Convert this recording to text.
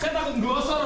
saya takut gosor lah